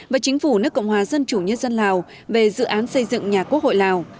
và chính phủ nước cộng hòa dân chủ nhân dân lào về dự án xây dựng nhà quốc hội lào